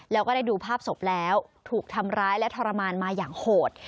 แล้วก็ได้ดูภาพศพแล้วถูกทำร้ายและทรมานมาอย่างโหด